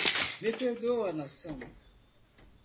Me perdoa nação